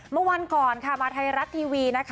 เมื่อวันก่อนค่ะมาไทยรัฐทีวีนะคะ